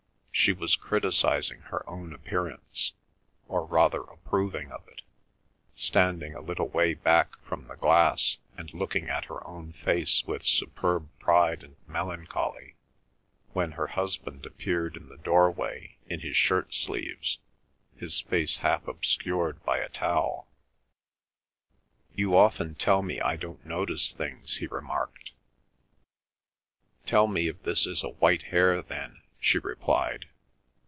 She was criticising her own appearance, or rather approving of it, standing a little way back from the glass and looking at her own face with superb pride and melancholy, when her husband appeared in the doorway in his shirt sleeves, his face half obscured by a towel. "You often tell me I don't notice things," he remarked. "Tell me if this is a white hair, then?" she replied.